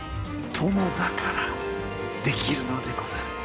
殿だからできるのでござる。